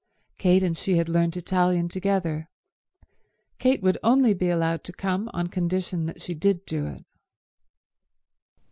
Kate and she had learnt Italian together. Kate would only be allowed to come on condition that she did do it.